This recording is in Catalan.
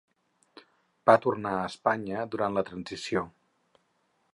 Va tornar a Espanya durant la Transició.